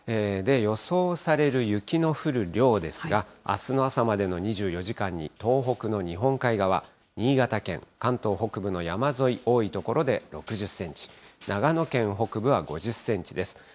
予想される雪の降る量ですが、あすの朝までの２４時間に東北の日本海側、新潟県、関東北部の山沿い、多い所で６０センチ、長野県北部は５０センチです。